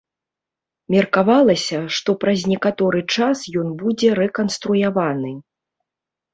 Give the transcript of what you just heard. Меркавалася, што праз некаторы час ён будзе рэканструяваны.